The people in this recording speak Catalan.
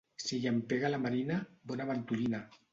Si llampega a la marina, bona ventolina.